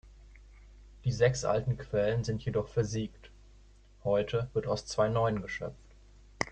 Die sechs alten Quellen sind jedoch versiegt, heute wird aus zwei neuen geschöpft.